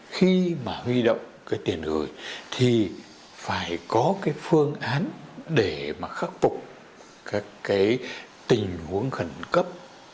khi mà huy động cái tiền gửi thì phải có cái phương án để mà khắc phục các cái tình huống khẩn cấp